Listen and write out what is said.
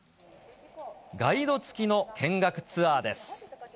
ガイド付きの見学ツアーです。